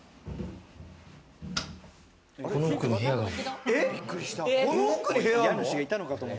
この奥に部屋がある。